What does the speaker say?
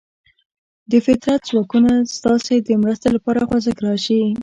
د فطرت ځواکونه ستاسې د مرستې لپاره خوځښت راشي.